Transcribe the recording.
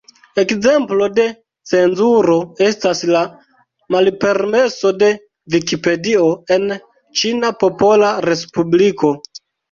Ekzemplo de cenzuro estas la malpermeso de Vikipedio en Ĉina Popola Respubliko.